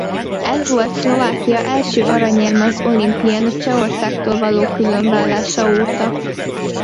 Ez volt Szlovákia első aranyérme az olimpián a Csehországtól való különválása óta.